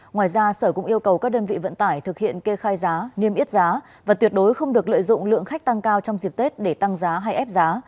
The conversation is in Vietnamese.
ngoài ra sở cũng yêu cầu các đơn vị vận tải thực hiện kê khai giá niêm yết giá và tuyệt đối không được lợi dụng lượng khách tăng cao trong dịp tết để tăng giá hay ép giá